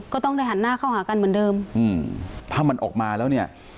ก็ต้องได้หันหน้าเข้าหากันเหมือนเดิมอืมถ้ามันออกมาแล้วเนี่ย